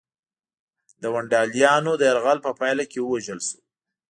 د ونډالیانو د یرغل په پایله کې ووژل شو.